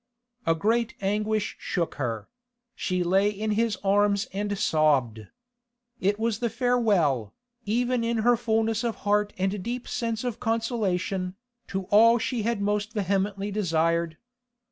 A great anguish shook her; she lay in his arms and sobbed. It was the farewell, even in her fulness of heart and deep sense of consolation, to all she had most vehemently desired.